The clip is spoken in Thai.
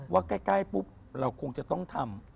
ว่าใกล้ปุ๊บเราคงจะต้องทำ